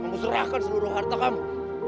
mau serahkan seluruh harta kamu